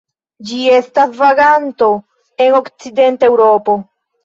Ĝi estas vaganto en okcidenta Eŭropo.